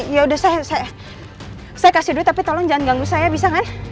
ya udah saya kasih duit tapi tolong jangan ganggu saya bisa kan